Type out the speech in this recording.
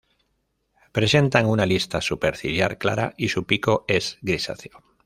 Presentan una lista superciliar clara y su pico es grisáceo.